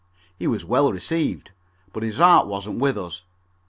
He was well received, but his heart wasn't with us.